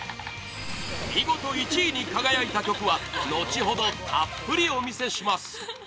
見事、１位に輝いた曲は後ほどたっぷりお見せします